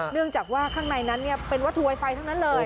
เนื่องจากว่าข้างในนั้นเป็นวัตถุไวไฟทั้งนั้นเลย